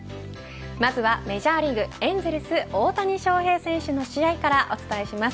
まずはメジャーリーグエンゼルス大谷翔平選手の試合からお伝えします。